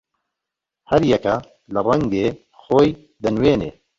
هەر یەکە لە ڕەنگێ خۆی دەنوێنێ